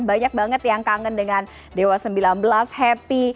banyak banget yang kangen dengan dewa sembilan belas happy